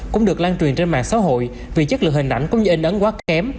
cũng được lan truyền trên mạng xã hội vì chất lượng hình ảnh cũng như in ấn quá kém